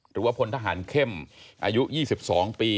หรือว่าพลทหารเข้มอายุ๒๒ปี